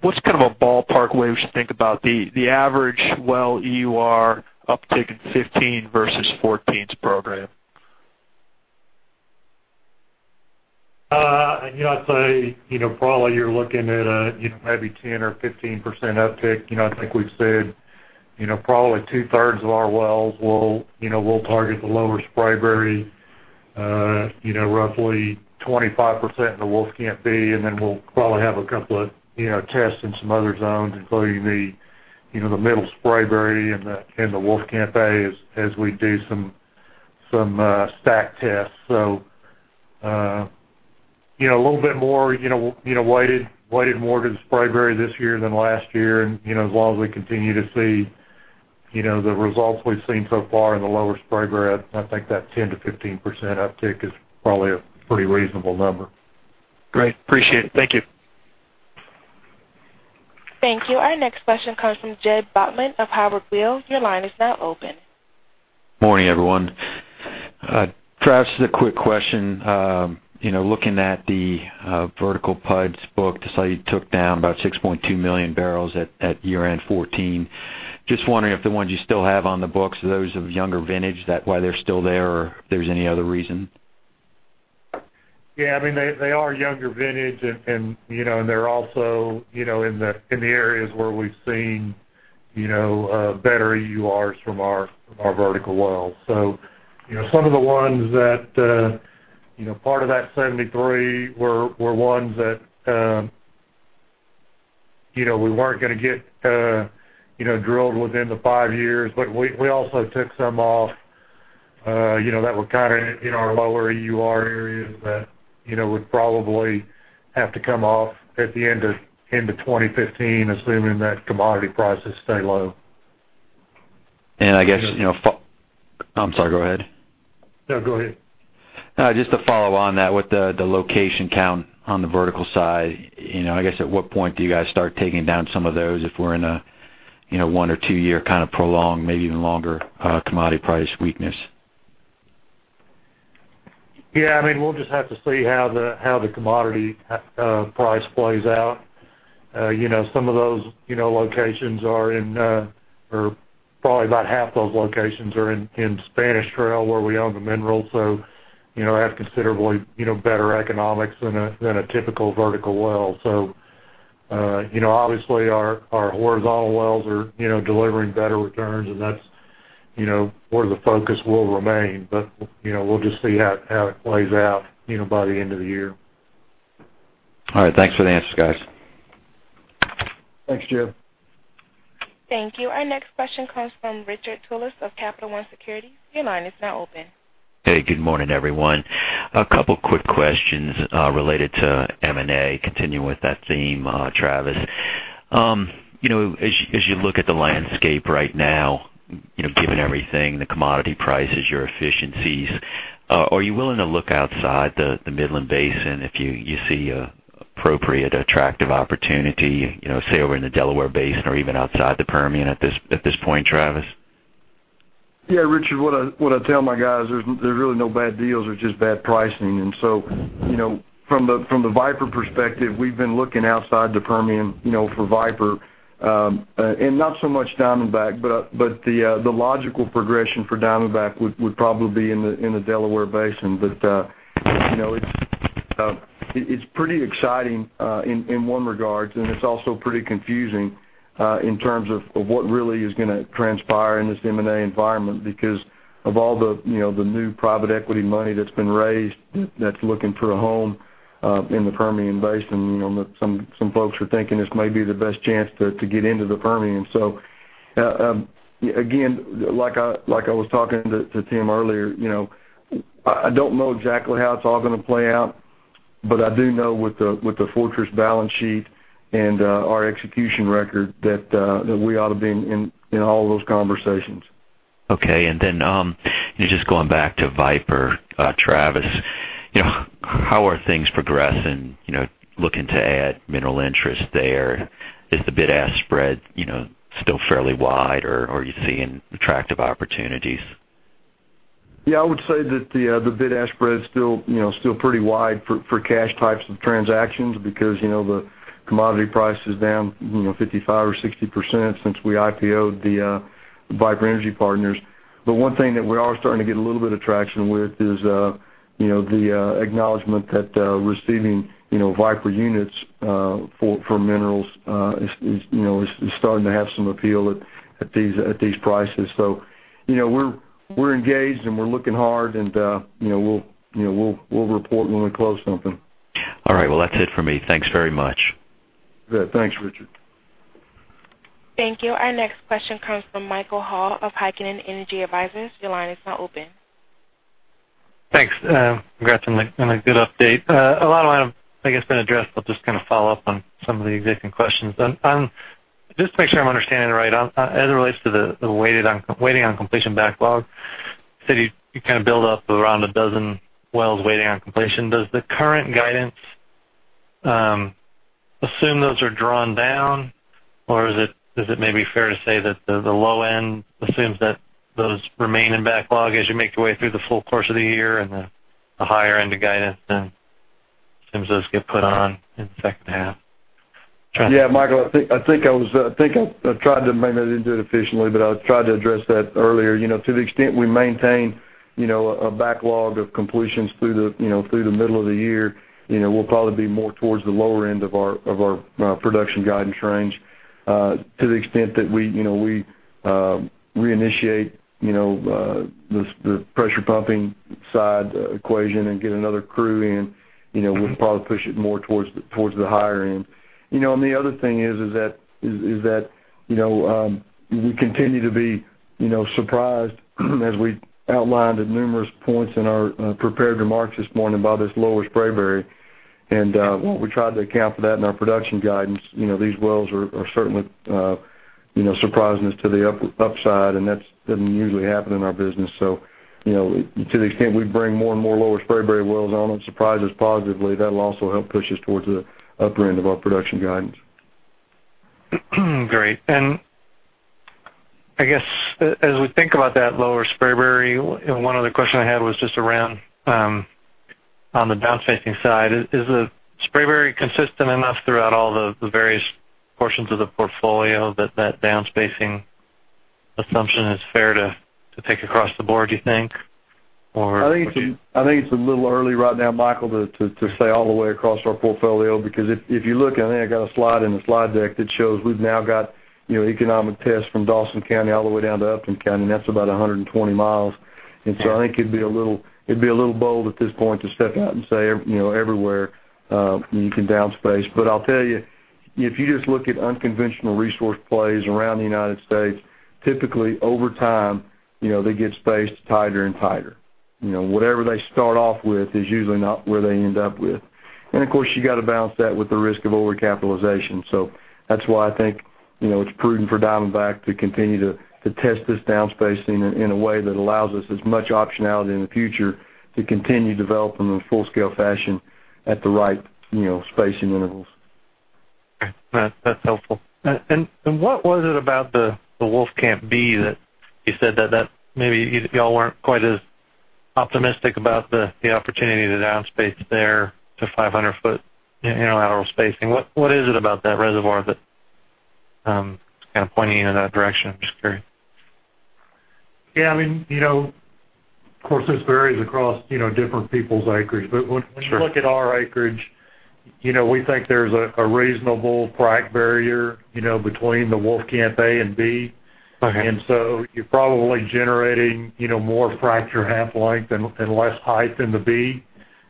[SPEAKER 12] what's a ballpark way we should think about the average well EUR uptick in 2015 versus 2014's program?
[SPEAKER 3] I'd say, probably you're looking at maybe 10% or 15% uptick. I think we've said probably two-thirds of our wells will target the Lower Spraberry, roughly 25% in the Wolfcamp B, then we'll probably have a couple of tests in some other zones, including the Middle Spraberry and the Wolfcamp A, as we do some stack tests. A little bit more weighted more to the Spraberry this year than last year. As long as we continue to see the results we've seen so far in the Lower Spraberry, I think that 10% to 15% uptick is probably a pretty reasonable number.
[SPEAKER 12] Great. Appreciate it. Thank you.
[SPEAKER 1] Thank you. Our next question comes from Jay Butlin of Howard Weil. Your line is now open.
[SPEAKER 13] Morning, everyone. Travis, just a quick question. Looking at the vertical PUDs booked, I saw you took down about 6.2 million barrels at year-end 2014. Just wondering if the ones you still have on the books, are those of younger vintage, is that why they're still there, or if there's any other reason?
[SPEAKER 3] Yeah. They are younger vintage, and they're also in the areas where we've seen better EURs from our vertical wells. Some of the ones that part of that 73 were ones that We weren't going to get drilled within the five years, we also took some off that were in our lower EUR areas that would probably have to come off at the end of 2015, assuming that commodity prices stay low.
[SPEAKER 13] I'm sorry, go ahead.
[SPEAKER 8] No, go ahead.
[SPEAKER 13] Just to follow on that with the location count on the vertical side, I guess at what point do you guys start taking down some of those if we're in a one or two-year kind of prolonged, maybe even longer, commodity price weakness?
[SPEAKER 8] Yeah, we'll just have to see how the commodity price plays out. Some of those locations are probably about half those locations are in Spanish Trail, where we own the minerals, so have considerably better economics than a typical vertical well. Obviously, our horizontal wells are delivering better returns, and that's where the focus will remain. We'll just see how it plays out by the end of the year.
[SPEAKER 13] All right. Thanks for the answers, guys.
[SPEAKER 8] Thanks, Jay.
[SPEAKER 1] Thank you. Our next question comes from Richard Tullis of Capital One Securities. Your line is now open.
[SPEAKER 14] Hey, good morning, everyone. A couple quick questions related to M&A, continuing with that theme, Travis Stice. As you look at the landscape right now, given everything, the commodity prices, your efficiencies, are you willing to look outside the Midland Basin if you see an appropriate, attractive opportunity, say, over in the Delaware Basin or even outside the Permian at this point, Travis Stice?
[SPEAKER 3] Yeah, Richard Tullis, what I tell my guys is there's really no bad deals, there's just bad pricing. From the Viper perspective, we've been looking outside the Permian for Viper, not so much Diamondback, the logical progression for Diamondback would probably be in the Delaware Basin. It's pretty exciting in one regard, it's also pretty confusing in terms of what really is going to transpire in this M&A environment because of all the new private equity money that's been raised that's looking for a home in the Permian Basin. Some folks are thinking this may be the best chance to get into the Permian.
[SPEAKER 8] Again, like I was talking to Tim earlier, I don't know exactly how it's all going to play out, I do know with the fortress balance sheet and our execution record, that we ought to be in all those conversations.
[SPEAKER 14] Okay, just going back to Viper, Travis, how are things progressing, looking to add mineral interest there? Is the bid-ask spread still fairly wide, or are you seeing attractive opportunities?
[SPEAKER 3] Yeah, I would say that the bid-ask spread is still pretty wide for cash types of transactions because the commodity price is down 55% or 60% since we IPO'd the Viper Energy Partners. One thing that we are starting to get a little bit of traction with is the acknowledgement that receiving Viper units for minerals is starting to have some appeal at these prices. We're engaged, and we're looking hard, and we'll report when we close something.
[SPEAKER 14] All right. Well, that's it for me. Thanks very much.
[SPEAKER 8] Thanks, Richard.
[SPEAKER 1] Thank you. Our next question comes from Michael Hall of Heikkinen Energy Advisors. Your line is now open.
[SPEAKER 15] Thanks. Congrats on a good update. A lot of them, I guess, have been addressed, but just to follow up on some of the existing questions. Just to make sure I'm understanding it right, as it relates to the waiting on completion backlog, you said you build up around 12 wells waiting on completion. Does the current guidance assume those are drawn down? Is it maybe fair to say that the low end assumes that those remain in backlog as you make your way through the full course of the year and the higher end of guidance then assumes those get put on in the second half? Travis?
[SPEAKER 3] Yeah, Michael, I think I tried to, maybe I didn't do it efficiently, but I tried to address that earlier. To the extent we maintain a backlog of completions through the middle of the year, we'll probably be more towards the lower end of our production guidance range. To the extent that we reinitiate the pressure pumping side equation and get another crew in, we'll probably push it more towards the higher end. The other thing is that we continue to be surprised, as we outlined at numerous points in our prepared remarks this morning, by this Lower Spraberry, and we tried to account for that in our production guidance. These wells are certainly surprising us to the upside, and that doesn't usually happen in our business.
[SPEAKER 8] To the extent we bring more and more Lower Spraberry wells on that surprise us positively, that'll also help push us towards the upper end of our production guidance.
[SPEAKER 15] Great. I guess as we think about that Lower Spraberry, one other question I had was just around on the downspacing side. Is the Spraberry consistent enough throughout all the various portions of the portfolio that that downspacing assumption is fair to take across the board, do you think?
[SPEAKER 8] I think it's a little early right now, Michael, to say all the way across our portfolio, because if you look, and I think I got a slide in the slide deck that shows we've now got economic tests from Dawson County all the way down to Upton County, and that's about 120 miles. I think it'd be a little bold at this point to step out and say everywhere you can downspace. I'll tell you, if you just look at unconventional resource plays around the United States, typically over time they get spaced tighter and tighter. Whatever they start off with is usually not where they end up. Of course, you got to balance that with the risk of over-capitalization. That's why I think it's prudent for Diamondback to continue to test this downspacing in a way that allows us as much optionality in the future to continue developing in a full-scale fashion at the right spacing intervals.
[SPEAKER 15] Okay. That's helpful. What was it about the Wolfcamp B that you said that maybe you all weren't quite as optimistic about the opportunity to downspace there to 500 foot inner lateral spacing? What is it about that reservoir that's kind of pointing in that direction? I'm just curious.
[SPEAKER 8] Yeah, of course, this varies across different people's acreage.
[SPEAKER 15] Sure.
[SPEAKER 8] When you look at our acreage, we think there's a reasonable frac barrier between the Wolfcamp A and B.
[SPEAKER 15] Okay.
[SPEAKER 8] You're probably generating more fracture half length and less height than the B.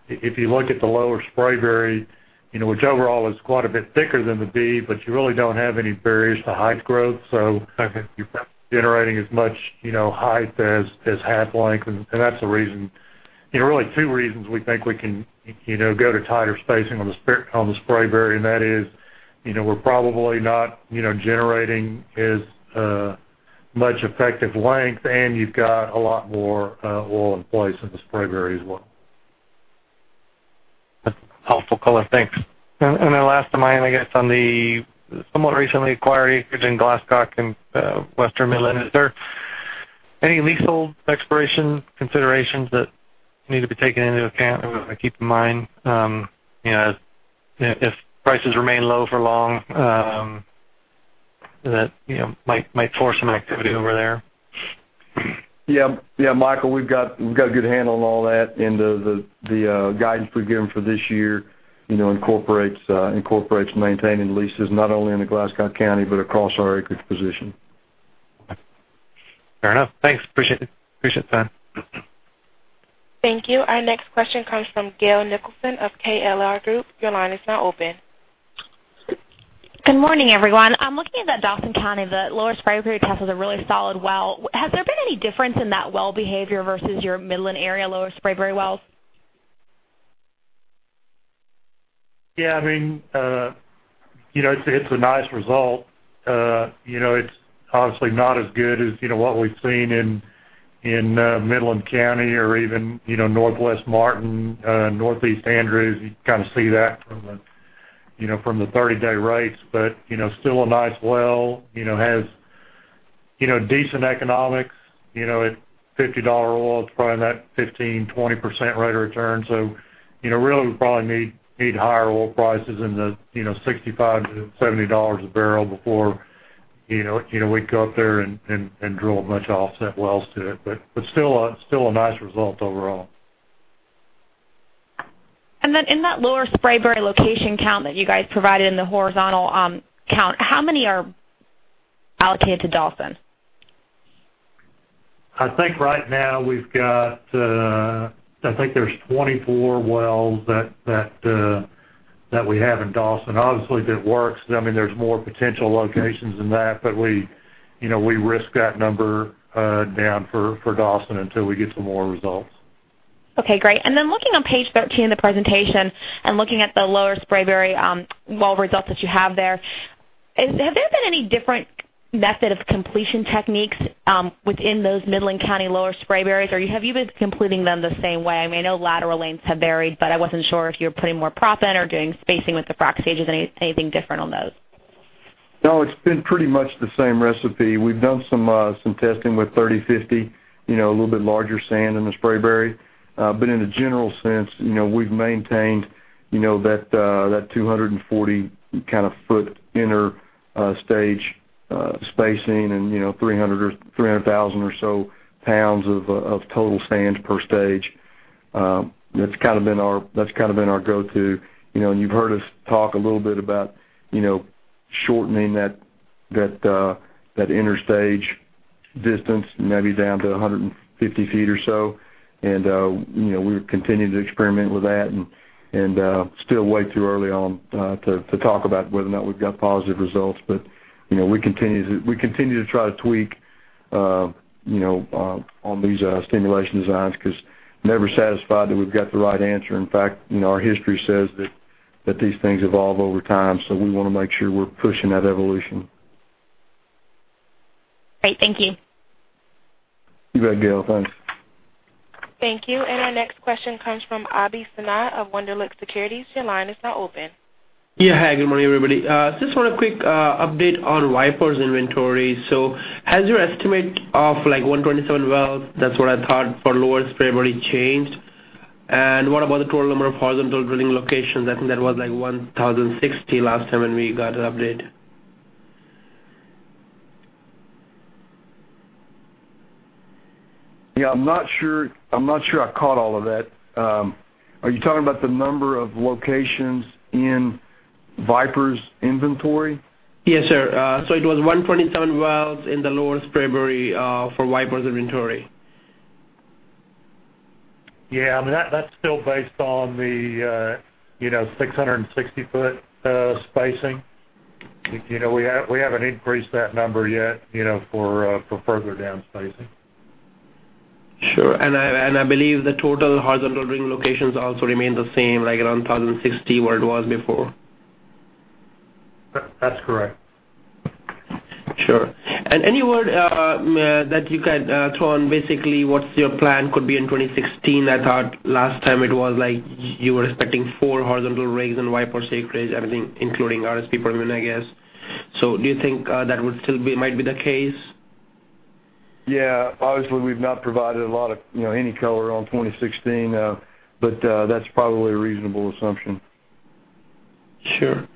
[SPEAKER 8] If you look at the Lower Spraberry, which overall is quite a bit thicker than the B, you really don't have any barriers to height growth.
[SPEAKER 15] Okay
[SPEAKER 8] you're generating as much height as half length. That's the reason. Really two reasons we think we can go to tighter spacing on the Spraberry, and that is, we're probably not generating as much effective length, and you've got a lot more oil in place in the Spraberry as well.
[SPEAKER 15] That's helpful color. Thanks. Then last of mine, I guess on the somewhat recently acquired acreage in Glasscock and Western Midland, is there any leasehold expiration considerations that need to be taken into account or keep in mind? If prices remain low for long, that might force some activity over there.
[SPEAKER 8] Yeah. Michael, we've got a good handle on all that, and the guidance we've given for this year incorporates maintaining leases, not only in the Glasscock County but across our acreage position.
[SPEAKER 15] Okay. Fair enough. Thanks. Appreciate the time.
[SPEAKER 1] Thank you. Our next question comes from Gail Nicholson of KLR Group. Your line is now open.
[SPEAKER 16] Good morning, everyone. I'm looking at that Dawson County, the Lower Spraberry test was a really solid well. Has there been any difference in that well behavior versus your Midland area Lower Spraberry wells?
[SPEAKER 8] Yeah. It's a nice result. It's obviously not as good as what we've seen in Midland County or even Northwest Martin, Northeast Andrews. You kind of see that from the 30-day rates. Still a nice well, has decent economics. At $50 oil, it's probably in that 15%-20% rate of return. Really, we probably need higher oil prices in the $65-$70 a barrel before we'd go up there and drill much offset wells to it. Still a nice result overall.
[SPEAKER 16] In that Lower Spraberry location count that you guys provided in the horizontal count, how many are allocated to Dawson?
[SPEAKER 8] I think right now we've got 24 wells that we have in Dawson. Obviously, if it works, there's more potential locations than that, but we risk that number down for Dawson until we get some more results.
[SPEAKER 16] Okay, great. Looking on page 13 of the presentation and looking at the Lower Spraberry well results that you have there, have there been any different method of completion techniques within those Midland County Lower Spraberrys, or have you been completing them the same way? I know lateral lengths have varied, I wasn't sure if you were putting more proppant or doing spacing with the frac stage. Is anything different on those?
[SPEAKER 8] No, it's been pretty much the same recipe. We've done some testing with 30/50, a little bit larger sand in the Spraberry. In a general sense, we've maintained that 240 foot inner stage spacing and 300,000 or so pounds of total sand per stage. That's kind of been our go-to. You've heard us talk a little bit about shortening that inner stage distance, maybe down to 150 feet or so, we're continuing to experiment with that and still way too early on to talk about whether or not we've got positive results. We continue to try to tweak on these stimulation designs because never satisfied that we've got the right answer. In fact, our history says that these things evolve over time, we want to make sure we're pushing that evolution.
[SPEAKER 16] Great. Thank you.
[SPEAKER 8] You bet, Gail. Thanks.
[SPEAKER 1] Thank you. Our next question comes from Abhishek Sinha of Wunderlich Securities. Your line is now open.
[SPEAKER 17] Yeah. Hi, good morning, everybody. Just want a quick update on Viper's inventory. Has your estimate of 127 wells, that's what I thought, for Lower Spraberry changed? What about the total number of horizontal drilling locations? I think that was 1,060 last time when we got an update.
[SPEAKER 8] Yeah, I'm not sure I caught all of that. Are you talking about the number of locations in Viper's inventory?
[SPEAKER 17] Yes, sir. It was 127 wells in the Lower Spraberry for Viper's inventory.
[SPEAKER 8] Yeah. That's still based on the 660-foot spacing. We haven't increased that number yet for further down spacing.
[SPEAKER 17] Sure. I believe the total horizontal drilling locations also remain the same, like around 1,060 where it was before.
[SPEAKER 8] That's correct.
[SPEAKER 17] Sure. Any word that you could throw on basically what your plan could be in 2016? I thought last time it was like you were expecting four horizontal rigs in Viper acreage, including RSP Permian, I guess. Do you think that might be the case?
[SPEAKER 8] Yeah. Obviously, we've not provided any color on 2016, but that's probably a reasonable assumption.
[SPEAKER 17] Sure.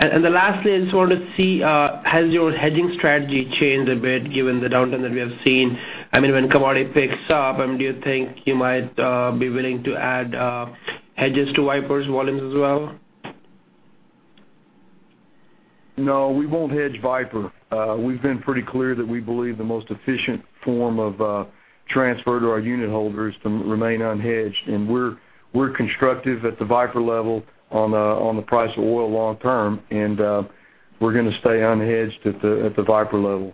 [SPEAKER 17] Lastly, I just wanted to see, has your hedging strategy changed a bit given the downturn that we have seen? When commodity picks up, do you think you might be willing to add hedges to Viper's volumes as well?
[SPEAKER 8] No, we won't hedge Viper. We've been pretty clear that we believe the most efficient form of transfer to our unit holders to remain unhedged, and we're constructive at the Viper level on the price of oil long term, and we're going to stay unhedged at the Viper level.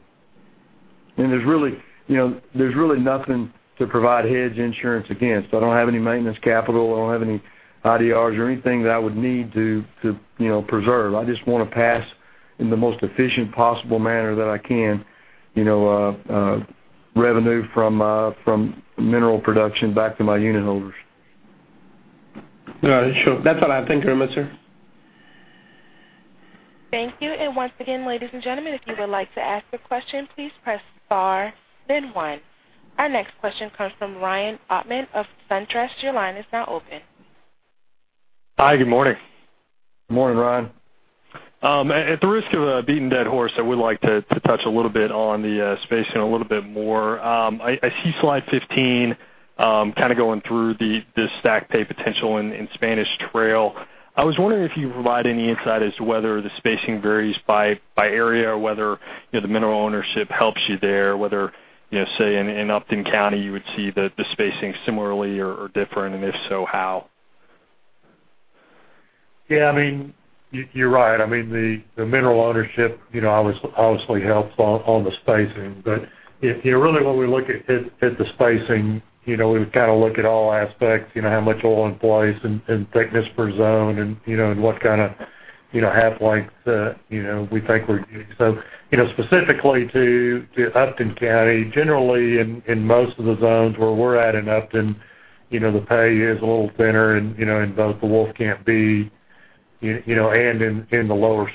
[SPEAKER 8] There's really nothing to provide hedge insurance against. I don't have any maintenance capital. I don't have any IDRs or anything that I would need to preserve. I just want to pass in the most efficient possible manner that I can revenue from mineral production back to my unit holders.
[SPEAKER 17] Got it. Sure. That's all I have. Thank you very much, sir.
[SPEAKER 1] Thank you. Once again, ladies and gentlemen, if you would like to ask a question, please press star then one. Our next question comes from Ryan Oatman of SunTrust. Your line is now open.
[SPEAKER 18] Hi, good morning.
[SPEAKER 8] Good morning, Ryan.
[SPEAKER 18] At the risk of a beaten dead horse, I would like to touch a little bit on the spacing a little bit more. I see slide 15, going through the stack pay potential in Spanish Trail. I was wondering if you could provide any insight as to whether the spacing varies by area or whether the mineral ownership helps you there, whether, say, in Upton County, you would see the spacing similarly or different, and if so, how?
[SPEAKER 8] Yeah, you're right. The mineral ownership obviously helps on the spacing. Really when we look at the spacing, we would look at all aspects, how much oil in place and thickness per zone and what kind of half-life that we think we're getting. Specifically to Upton County, generally in most of the zones where we're at in Upton, the pay is a little thinner in both the Wolfcamp B and in the Lower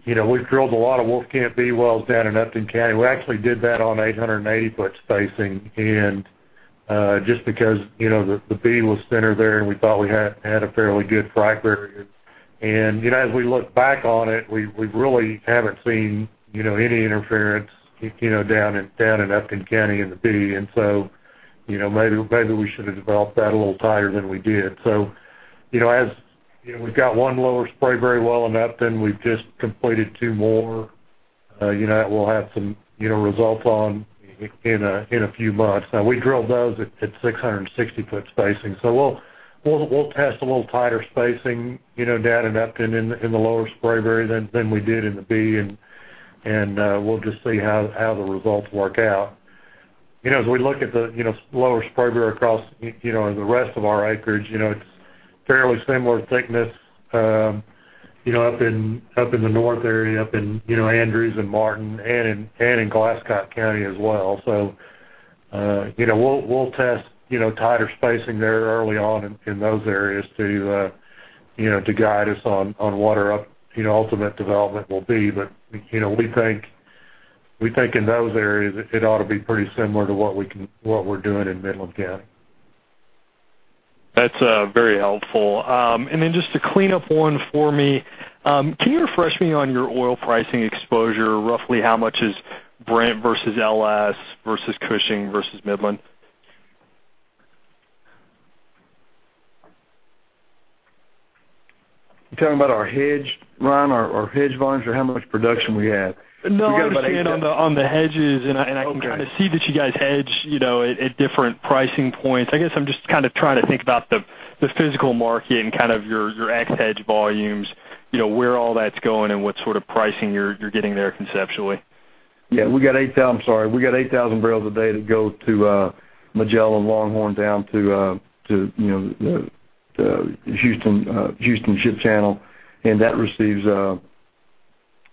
[SPEAKER 8] Spraberry. We've drilled a lot of Wolfcamp B wells down in Upton County. We actually did that on 880-foot spacing, just because the B was thinner there, and we thought we had a fairly good frac barrier. As we look back on it, we really haven't seen any interference down in Upton County in the B. Maybe we should have developed that a little tighter than we did. As we've got one Lower Spraberry well in Upton, we've just completed two more that we'll have some results on in a few months. Now we drilled those at 660-foot spacing. We'll test a little tighter spacing down in Upton in the Lower Spraberry than we did in the B, and we'll just see how the results work out. As we look at the Lower Spraberry across the rest of our acreage, it's fairly similar thickness up in the north area, up in Andrews and Martin and in Glasscock County as well. We'll test tighter spacing there early on in those areas to guide us on what our ultimate development will be. We think in those areas, it ought to be pretty similar to what we're doing in Midland County.
[SPEAKER 18] That's very helpful. Then just to clean up one for me, can you refresh me on your oil pricing exposure? Roughly how much is Brent versus LLS versus Cushing versus Midland?
[SPEAKER 8] You talking about our hedge, Ryan, our hedge volumes or how much production we have?
[SPEAKER 18] I understand on the hedges, I can see that you guys hedge at different pricing points. I guess I'm just trying to think about the physical market and your X hedge volumes, where all that's going and what sort of pricing you're getting there conceptually.
[SPEAKER 8] Yeah. I'm sorry. We got 8,000 barrels a day that go to Magellan Longhorn down to the Houston Ship Channel,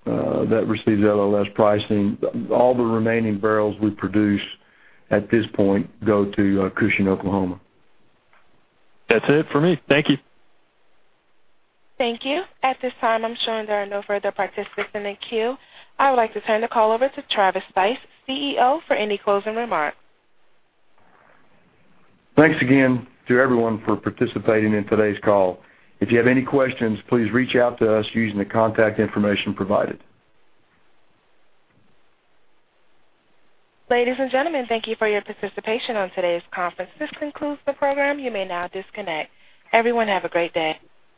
[SPEAKER 8] that receives LLS pricing. All the remaining barrels we produce at this point go to Cushing, Oklahoma.
[SPEAKER 18] That's it for me. Thank you.
[SPEAKER 1] Thank you. At this time, I'm showing there are no further participants in the queue. I would like to turn the call over to Travis Stice, CEO, for any closing remarks.
[SPEAKER 3] Thanks again to everyone for participating in today's call. If you have any questions, please reach out to us using the contact information provided.
[SPEAKER 1] Ladies and gentlemen, thank you for your participation on today's conference. This concludes the program. You may now disconnect. Everyone have a great day.